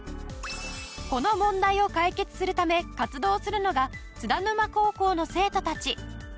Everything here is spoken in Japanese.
この問題を解決するため活動するのが津田沼高校の生徒たち。